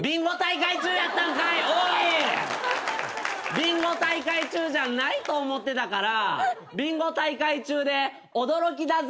ビンゴ大会中じゃないと思ってたからビンゴ大会中で驚きだぜ。